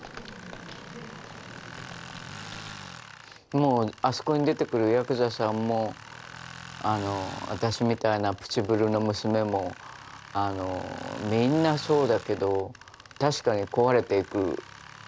もうあそこに出てくるヤクザさんも私みたいなプチブルの娘もみんなそうだけど確かに壊れていく。